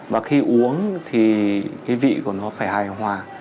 và khi uống thì cái vị của nó phải hài hòa